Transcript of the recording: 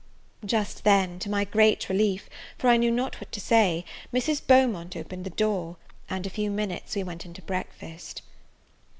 Just then, to my great relief, for I knew not what to say, Mrs. Beaumont opened the door, and in a few minutes we went to breakfast.